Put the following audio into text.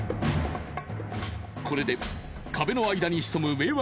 これで壁の間に潜む迷惑